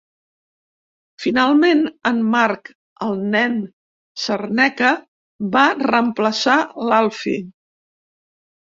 Finalment, en Mark "El Nen" Cerneka va reemplaçar l'Alfie.